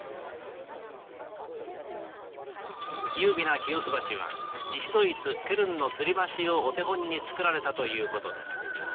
「優美な清洲橋は西ドイツケルンのつり橋をお手本に造られたということです」。